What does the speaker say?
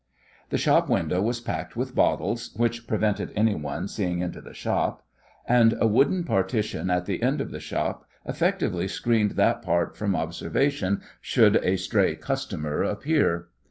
The shop window was packed with bottles which prevented anyone seeing into the shop and a wooden partition at the end of the shop effectively screened that part from observation should a stray "customer" appear.